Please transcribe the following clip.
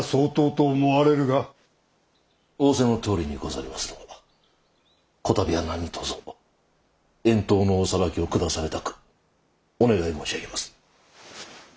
仰せのとおりにござりまするが此度は何とぞ遠島のお裁きを下されたくお願い申し上げます。